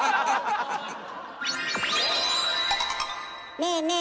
ねえねえ